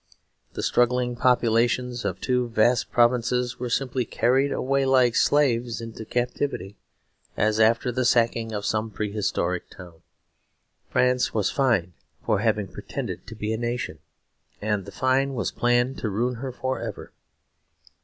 The struggling populations of two vast provinces were simply carried away like slaves into captivity, as after the sacking of some prehistoric town. France was fined for having pretended to be a nation; and the fine was planned to ruin her forever.